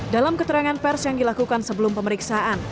dalam keterangan pers yang dilakukan sebelum pemeriksaan